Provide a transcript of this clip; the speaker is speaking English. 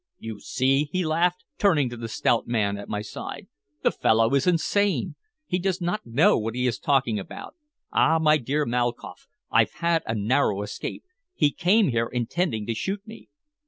"You see?" he laughed, turning to the stout man at my side. "The fellow is insane. He does not know what he is talking about. Ah, my dear Malkoff, I've had a narrow escape! He came here intending to shoot me."